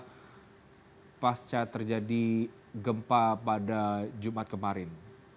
jika inmati ini terjadi sudah pernah mesti di rubama pangas mulut